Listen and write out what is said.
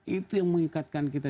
itu yang mengikatkan kita